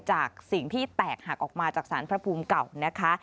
จากสิ่งที่แตกหักออกมาจากสารพระภูมิเก่านะคะ